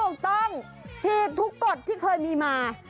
ถูกต้องฉีดทุกกฎที่เคยมีมา